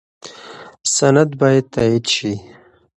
سند باید تایید شي.